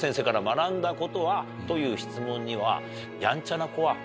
という質問には。